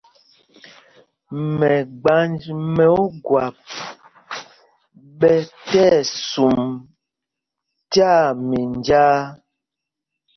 Mɛgbanj mɛ Ogwap ɓɛ tí ɛsum tyaa minjāā.